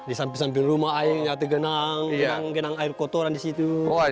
di samping samping rumah airnya tergenang genang genang air kotoran di situ